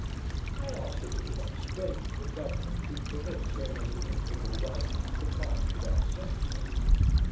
"' I asked if it was not strange that government should permit so many infidel writings to pass without censure.